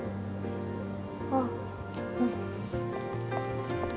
ああうん。